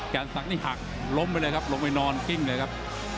สักนี่หักล้มไปเลยครับลงไปนอนกิ้งเลยครับ